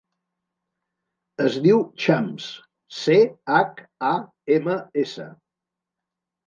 Es diu Chams: ce, hac, a, ema, essa.